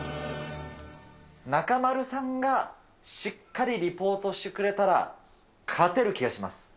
中丸さんがしっかりリポートしてくれたら、勝てる気がします。